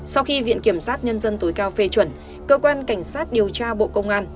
sau khi viện kiểm sát nhân dân tối cao phê chuẩn cơ quan cảnh sát điều tra bộ công an